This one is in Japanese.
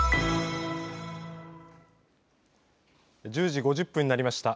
１０時５０分になりました。